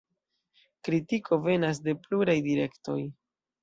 Kritiko venas de pluraj direktoj.